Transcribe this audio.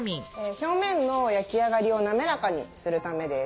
表面の焼き上がりを滑らかにするためです。